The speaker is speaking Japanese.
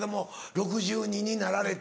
６２になられて。